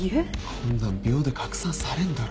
こんなん秒で拡散されんだろ。